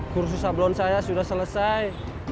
kursus sablon saya sudah selesai